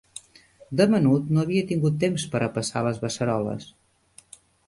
De menut no havia tingut temps per a passar les beceroles.